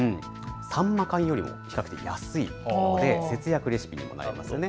サンマ缶よりも比較的安いので節約レシピにもなりますよね。